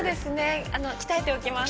鍛えておきます。